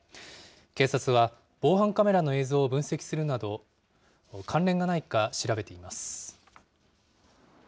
警察は防犯カメラの映像を分析するなど、関連がないか調べています。